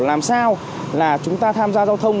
làm sao là chúng ta tham gia giao thông